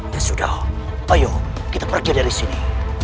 ya sudah ayo kita pergi dari sini